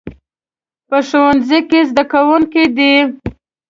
په ښوونځي کې زده کوونکي دي